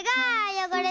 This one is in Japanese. よごれ？